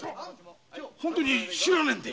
本当に知らねえんで？